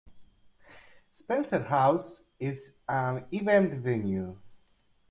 Spencer House is an event venue.